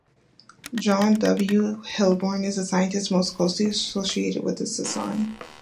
John W. Hilborn is the scientist most closely associated with its design.